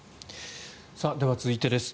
では続いてです。